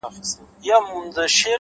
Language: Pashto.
مهرباني نړۍ نرموي،